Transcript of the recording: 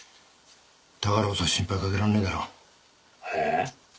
だからこそ心配かけらんねぇだろえぇ？